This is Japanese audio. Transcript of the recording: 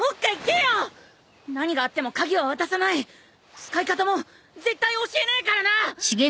使い方も絶対教えねえからな！